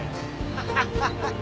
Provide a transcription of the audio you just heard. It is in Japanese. ハハハハ！